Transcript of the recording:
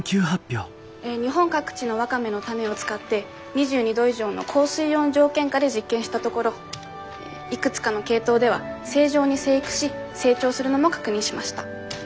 日本各地のワカメの種を使って２２度以上の高水温条件下で実験したところいくつかの系統では正常に生育し成長するのも確認しました。